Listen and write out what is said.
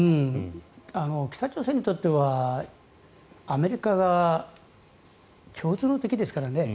北朝鮮にとってはアメリカが共通の敵ですからね。